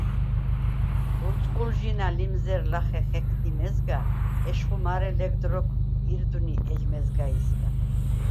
ურწყულჟი̄ნა̈ ლიმზჷრ ლახე ხექდი მეზგა, ეშხუ მა̄რე ლეგდ როქვ ირდვნი ეჯ მეზგაისგა.